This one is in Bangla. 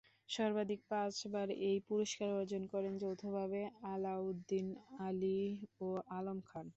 সর্বাধিক পাঁচবার এই পুরস্কার অর্জন করেন যৌথভাবে আলাউদ্দিন আলী ও আলম খান।